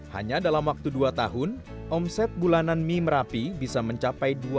hanya dalam waktu dua tahun omset bulanan mie merapi bisa mencapai dua ratus juta